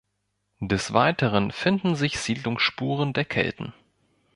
Des Weiteren finden sich Siedlungsspuren der Kelten.